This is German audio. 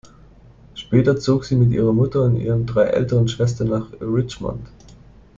Später zog sie mit ihrer Mutter und ihren drei älteren Schwestern nach Richmond.